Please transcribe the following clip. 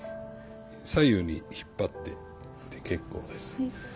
左右に引っ張って結構です。